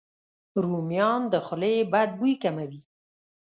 رومیان د خولې بد بوی کموي.